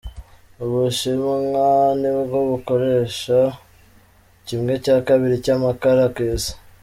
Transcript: Ubushimwa nibwo bukoresha kimwe cya kabiri cy’amakaara ku isi .